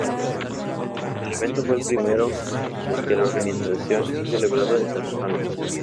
El evento fue el primero que la organización ha celebrado en San Antonio.